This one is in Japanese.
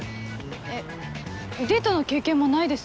えっデートの経験もないです。